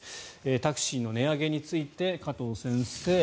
タクシーの値上げについて加藤先生。